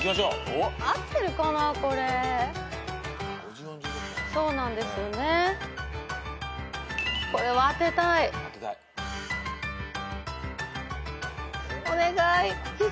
お願い。